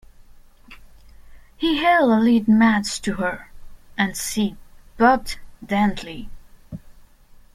He held a lit match to her, and she puffed daintily.